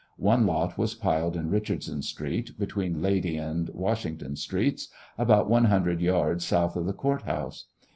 One lot was piled in Eichardson street, betsveen Lady and Washington streets, about one hundred yards south of the Court house.